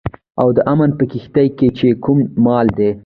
او د امن په کښتئ کې چې کوم مال دی